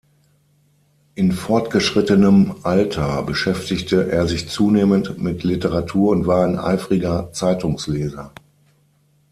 In fortgeschrittenem Alter beschäftigte er sich zunehmend mit Literatur und war ein eifriger Zeitungsleser.